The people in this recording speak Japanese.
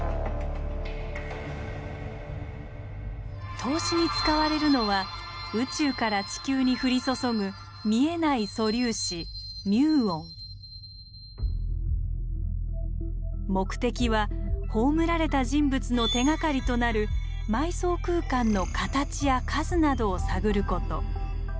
透視に使われるのは宇宙から地球に降り注ぐ見えない素粒子目的は葬られた人物の手がかりとなる埋葬空間の形や数などを探ること。